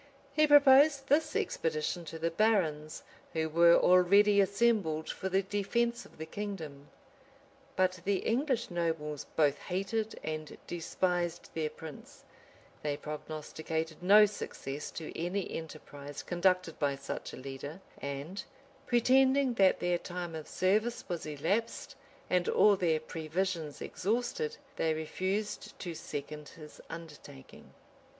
He proposed this expedition to the barons, who were already assembled for the defence of the kingdom. But the English nobles both hated and despised their prince: they prognosticated no success to any enterprise conducted by a such a leader: and, pretending that their time of service was elapsed, and all their previsions exhausted, they refused to second his undertaking.